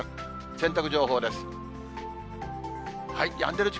洗濯情報です。